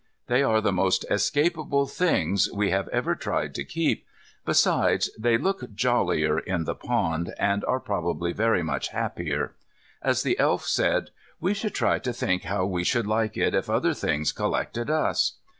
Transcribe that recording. They are the most escapable things we have ever tried to keep. Besides, they look jollier in the pond, and are probably very much happier. As the Elf said, "We should try to think how we should like it if other things collected us."